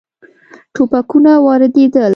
ټوپکونه واردېدل.